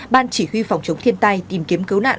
ban chỉ huy phòng chống thiên tai tìm kiếm cứu nạn